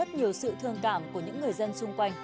đây phố người ta toàn người văn minh